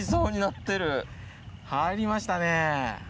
入りましたね。